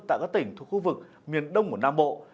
tại các tỉnh thuộc khu vực miền đông của nam bộ